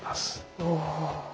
おお。